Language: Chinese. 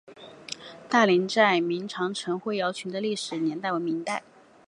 大岭寨明长城灰窑群的历史年代为明代。